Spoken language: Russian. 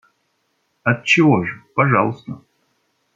Отчего же, пожалуйста.